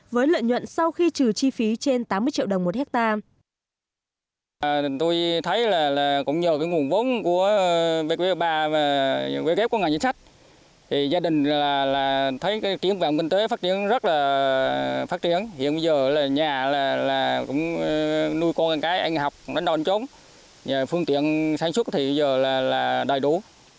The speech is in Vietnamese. với lợi nhuận sau khi trừ chi phí trên tám mươi triệu đồng một hectare